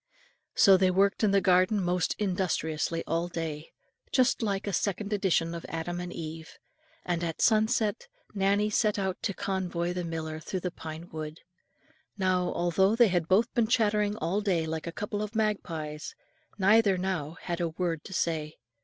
So they worked in the garden most industriously all day, just like a second edition of Adam and Eve; and at sunset Nannie set out to convoy the miller through the pine wood. Now, although they had both been chattering all day like a couple of magpies, neither now had a word to say.